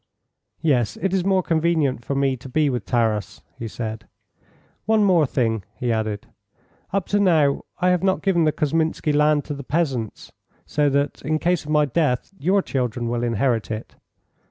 "Yes; it is more convenient for me to be with Taras," he said. "One thing more," he added; "up to now I have not given the Kousminski land to the peasants; so that, in case of my death, your children will inherit it."